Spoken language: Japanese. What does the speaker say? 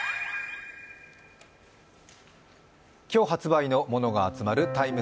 今日発売のものが集まるＴＩＭＥ